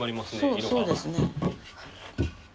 そうですね。